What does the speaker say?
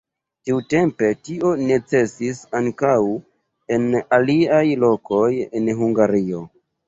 Tiutempe tio necesis ankaŭ en aliaj lokoj en Hungario.